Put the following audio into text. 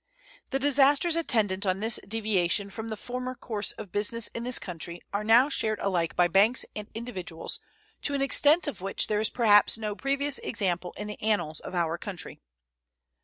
The disasters attendant on this deviation from the former course of business in this country are now shared alike by banks and individuals to an extent of which there is perhaps no previous example in the annals of our country.